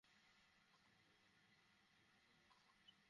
দুই বড় বোন আর এক ছোট ভাই, স্যার।